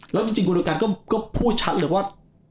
แล้วจริงคุณดูการก็พูดชัดเลยว่า